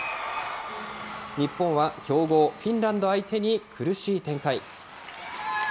日本は強豪、フィンランド相手に苦しい展開。